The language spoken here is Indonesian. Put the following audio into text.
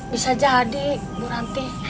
bisa jadi bu ranti